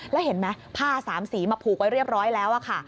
แล้วเห็นไหมผ้าสามสีมาผูกไว้เรียบร้อยแล้วค่ะ